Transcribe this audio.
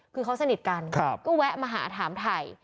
คือเขาสนิทกันก็แวะมาหาถามถ่าย